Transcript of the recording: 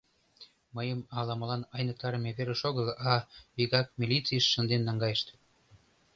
Мыйым ала-молан айныктарыме верыш огыл, а вигак милицийыш шынден наҥгайышт.